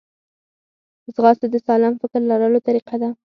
ځغاسته د سالم فکر لرلو طریقه ده